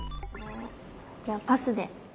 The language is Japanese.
じゃあパスで。